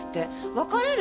別れる？